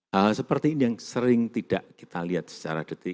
hal hal seperti ini yang sering tidak kita lihat secara detail